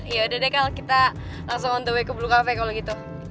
yaudah deh kalau kita langsung on the way ke blue cafe kalo gitu